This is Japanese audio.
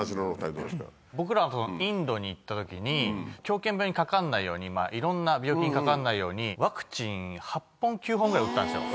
僕ら、インドに行ったときに、狂犬病にかかんないように、いろんな病気にかかんないように、ワクチンを８本、９本、打ったんですよ。